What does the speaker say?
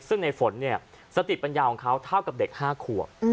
ซึ่งในฝนเนี่ยสติปัญญาของเขาเท่ากับเด็ก๕ขวบ